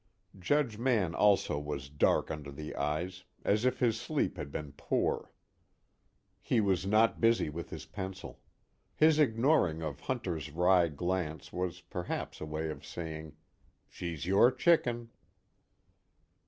Judge Mann also was dark under the eyes, as if his sleep had been poor. He was not busy with his pencil. His ignoring of Hunter's wry glance was perhaps a way of saying: She's your chicken.